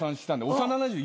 幼なじみ